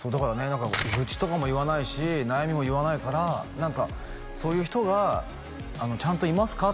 何か愚痴とかも言わないし悩みも言わないから何かそういう人がちゃんといますか？